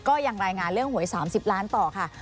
ก็ยังรายงานเรื่องหวย๓๐ล้านต่อค่ะ